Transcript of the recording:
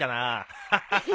ハハハハ。